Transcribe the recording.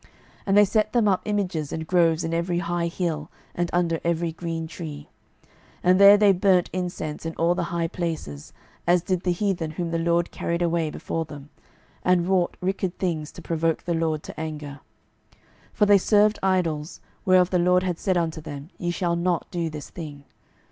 12:017:010 And they set them up images and groves in every high hill, and under every green tree: 12:017:011 And there they burnt incense in all the high places, as did the heathen whom the LORD carried away before them; and wrought wicked things to provoke the LORD to anger: 12:017:012 For they served idols, whereof the LORD had said unto them, Ye shall not do this thing.